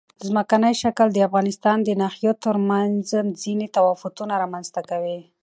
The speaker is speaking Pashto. ځمکنی شکل د افغانستان د ناحیو ترمنځ ځینې تفاوتونه رامنځ ته کوي.